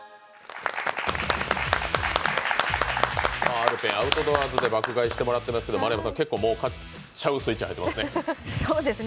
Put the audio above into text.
アルペンアウトドアーズで爆買いしてもらいましたけど丸山さん、結構買っちゃうスイッチ入ってますね。